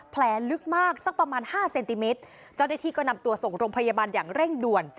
แผลลึกมากสักประมาณห้าเซนติเมตรเจ้าหน้าที่ก็นำตัวส่งโรงพยาบาลอย่างเร่งด่วน